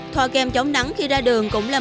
thoa kem chống nắng khi ra đường